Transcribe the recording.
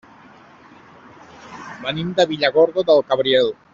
Venim de Villargordo del Cabriel.